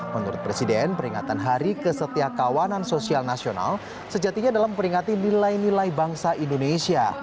menurut presiden peringatan hari kesetiakawanan sosial nasional sejatinya dalam memperingati nilai nilai bangsa indonesia